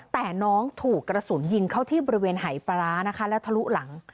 แต่น้องถูกกระสุนยิงเข้าที่บริเวณหายปลาร้านะคะแล้วทะลุหลัง